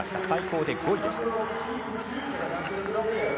最高で５位でした。